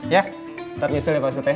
ya tetap nyusul ya pak ustadz ya